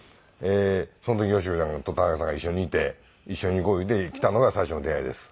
その時佳子ちゃんとタナカさんが一緒にいて一緒に行こういうて来たのが最初の出会いです。